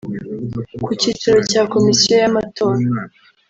Ku cyicaro cya Komisiyo y’Amatora